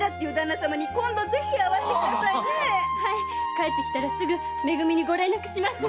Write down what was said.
帰ってきたらすぐめ組にご連絡します。